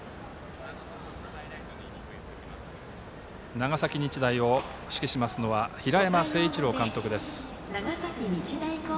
長崎日大を指揮しますのは平山清一郎監督です。